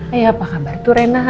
ayo apa kabar tuh rena